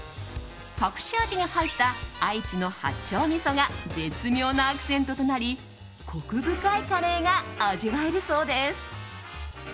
隠し味に入った愛知の八丁みそが絶妙なアクセントとなりコク深いカレーが味わえるそうです。